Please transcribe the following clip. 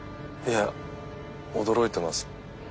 いや驚いてます。